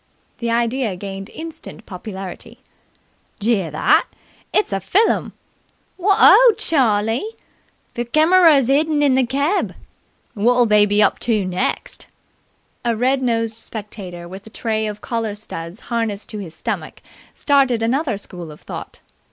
The idea gained instant popularity. "Jear that? It's a fillum!" "Wot o', Charlie!" "The kemerer's 'idden in the keb." "Wot'll they be up to next!" A red nosed spectator with a tray of collar studs harnessed to his stomach started another school of thought.